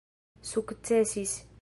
sukcesis